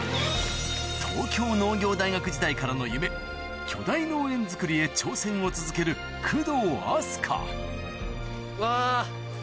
東京農業大学時代からの夢巨大農園づくりへ挑戦を続けるうわ。